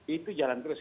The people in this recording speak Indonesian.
itu jalan terus